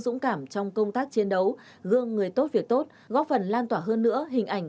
dũng cảm trong công tác chiến đấu gương người tốt việc tốt góp phần lan tỏa hơn nữa hình ảnh